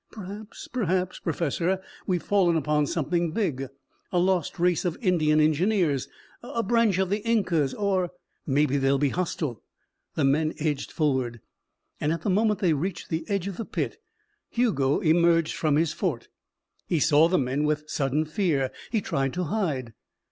"Perhaps perhaps, professor, we've fallen upon something big. A lost race of Indian engineers. A branch of the Incas or " "Maybe they'll be hostile." The men edged forward. And at the moment they reached the edge of the pit, Hugo emerged from his fort. He saw the men with sudden fear. He tried to hide.